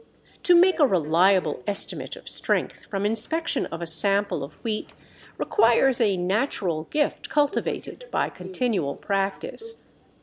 To make a reliable estimate of strength from inspection of a sample of wheat requires a natural gift cultivated by continual practice.